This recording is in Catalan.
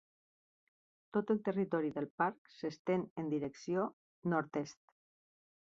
Tot el territori del parc s'estén en direcció nord-est.